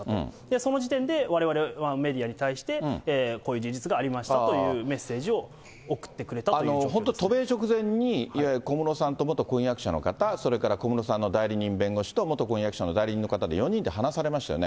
その時点で、われわれメディアに対して、こういう事実がありましたというメッセージを送ってくれたという本当、渡米直前に、いわゆる小室さんと元婚約者の方、それから小室さんの代理人弁護士と、元婚約者の代理人の方、４人で話されましたよね。